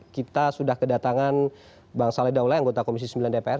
kita sudah kedatangan bang saleh daulah anggota komisi sembilan dpr